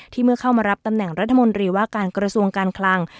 เมื่อเข้ามารับตำแหน่งรัฐมนตรีว่าการกระทรวงการคลัง